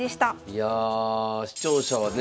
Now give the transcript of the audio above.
いや視聴者はね